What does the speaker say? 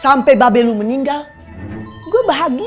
sampai babellu meninggal gue bahagia